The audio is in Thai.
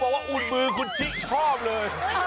พอบอกว่าอูนมือคุณชิคชอบเลย